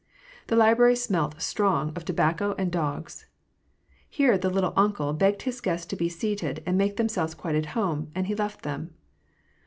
The library smelt strong of tobacco and dogs. Here the " little uncle " begged his guests to be seated and make themselves quite at home, and he left them.